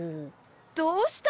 どうしたの？